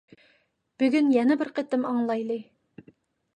بۈگۈن يەنە بىر قېتىم ئاڭلايلى.